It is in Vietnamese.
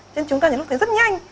cho nên chúng ta nhớ lúc thấy rất nhanh